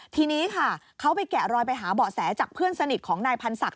ทีนี้ค่ะเขาไปแกะรอยไปหาเบาะแสจากเพื่อนสนิทของนายพันศักดิ